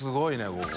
ここ。